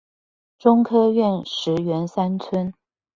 中科院石園三村